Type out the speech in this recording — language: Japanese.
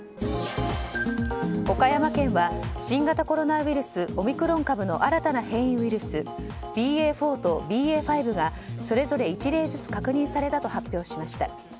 岡山県は、新型コロナウイルスオミクロン株の新たな変異ウイルスＢＡ．４とＢＡ．５がそれぞれ１例ずつ確認されたと発表しました。